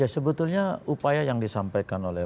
sebetulnya upaya yang disampaikan oleh